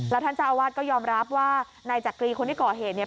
ท่านเจ้าอาวาสก็ยอมรับว่านายจักรีคนที่ก่อเหตุเนี่ย